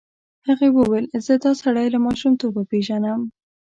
هغې وویل زه دا سړی له ماشومتوبه پېژنم.